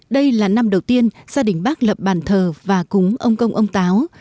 đây là năm đầu tiên gia đình bác lập bàn thờ và cúng ông công ông táo